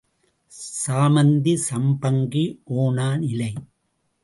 சாமந்தி சம்பங்கி ஓணான் இலை.